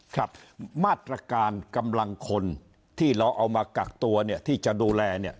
ครับมาตรการกำลังคนที่เราเอามากักตัวเนี่ยที่จะดูแลเนี่ย